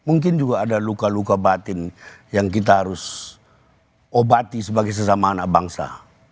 mungkin juga ada luka luka batin yang kita harus obati sebagai sesama anak bangsa